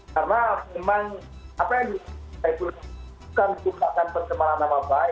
karena memang apa yang saya perlukan bukan untuk menjaga perkembangan nama baik